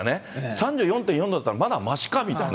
３４．４度だったらまだましかみたいな。